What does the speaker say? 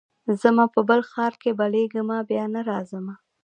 ځمه په بل ښار کي بلېږمه بیا نه راځمه